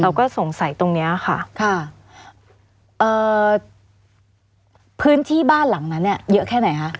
เราก็สงสัยตรงเนี้ยค่ะค่ะเอ่อพื้นที่บ้านหลังนั้นเนี่ยเยอะแค่ไหนคะ